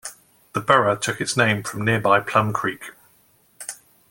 The borough took its name from nearby Plum Creek.